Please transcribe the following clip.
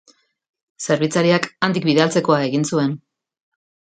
Zerbitzariak handik bidaltzekoa egin zuen.